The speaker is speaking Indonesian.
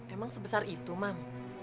emang sebesar itu mam